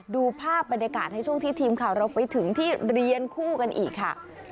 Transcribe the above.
ดูภาพบรรยากาศในช่วงที่ทีมข่าวเราไปถึงที่เรียนคู่กันอีกค่ะ